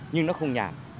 nhưng nó không nhàng